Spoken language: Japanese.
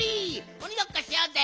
おにごっこしようぜ。